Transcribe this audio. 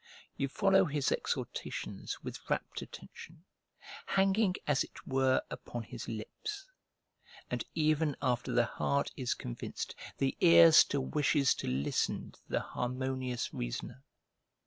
You follow his exhortations with rapt attention, hanging, as it were, upon his lips; and even after the heart is convinced, the ear still wishes to listen to the harmonious reasoner.